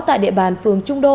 tại địa bàn phường trung đô